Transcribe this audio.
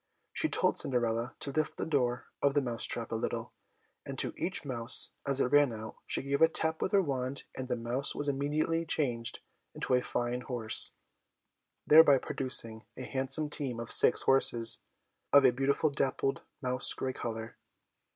She told Cinderella to lift the door of the mouse trap a little, and to each mouse, as it ran out, she gave a tap with her wand, and the mouse was immediately changed into a fine horse, thereby producing a handsome team of six horses, of a beautiful dappled mouse grey colour.